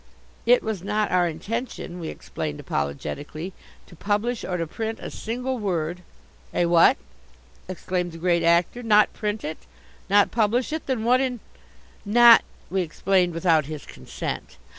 It was not our intention, we explained apologetically, to publish or to print a single word "Eh, what?" exclaimed the Great Actor. "Not print it? Not publish it? Then what in " Not, we explained, without his consent.